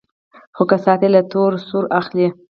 خو کسات يې له تور سرو اخلي.